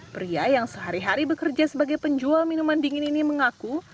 pria yang sehari hari bekerja sebagai penjual minuman dingin ini mengaku